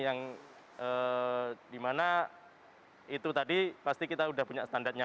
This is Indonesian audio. yang dimana itu tadi pasti kita sudah punya standarnya